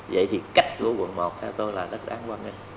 vậy thì cách của quận một theo tôi là rất đáng quan tâm